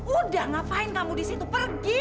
udah ngapain kamu disitu pergi